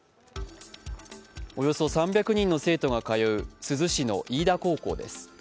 およそ３００人の生徒が通う珠洲市の飯田高校です。